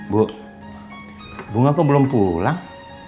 bu bunga kok belum pulang